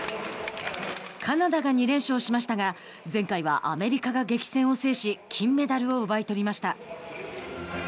カナダが２連勝しましたが前回はアメリカが激戦を制し金メダルを奪い取りました。